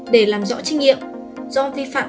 để làm rõ trinh nghiệm do vi phạm